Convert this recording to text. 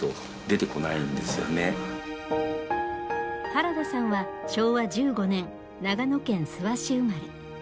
原田さんは昭和１５年長野県諏訪市生まれ。